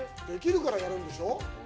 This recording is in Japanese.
できるからやるんでしょ？